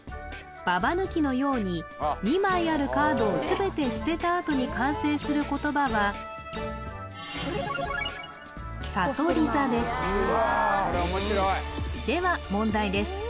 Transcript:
ババ抜きのように２枚あるカードを全て捨てたあとに完成する言葉はさそりざですでは問題です